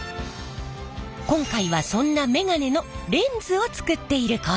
今回はそんなメガネのレンズを作っている工場。